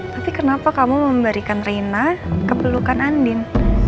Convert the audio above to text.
tapi kenapa kamu memberikan reina kepelukan andin